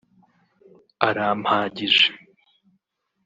‘‘Arampagije’’